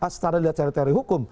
secara teori teori hukum